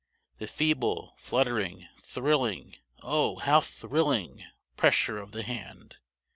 The feeble, fluttering, thrilling oh, how thrilling! pressure of the hand!